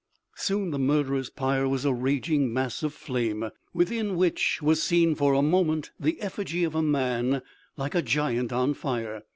Soon the murderer's pyre was a raging mass of flame, within which was seen for a moment the effigy of a man like a giant on fire.